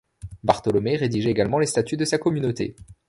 Bartolomé rédige également les statuts de sa communauté.